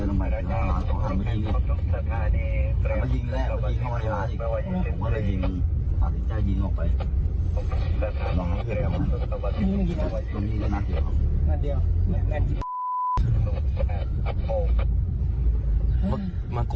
กำลังยิงแรกเมื่อกี้เข้าไว้ร้านอีก